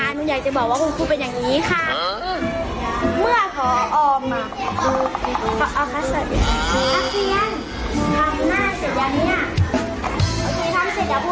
คุณคี่ค่ะคุณอยากจะบอกว่าคุณคู่เป็นอย่างนี้ค่ะ